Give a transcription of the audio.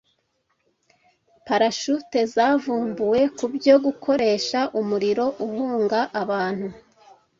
Parashute zavumbuwe kubyo gukoresha umuriro uhunga - abantu